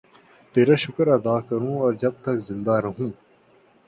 تیرا شکر ادا کروں اور جب تک زندہ رہوں